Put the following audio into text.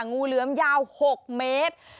งูเหลือมยาว๖เมตร